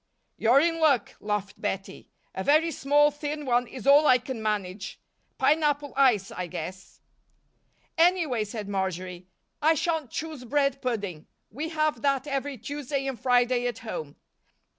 "You're in luck," laughed Bettie. "A very small, thin one is all I can manage pineapple ice, I guess." "Anyway," said Marjory, "I shan't choose bread pudding. We have that every Tuesday and Friday at home.